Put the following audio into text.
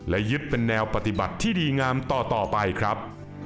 และยึดเป็นแนวปฏิบัติที่ดีงามต่อไปครับ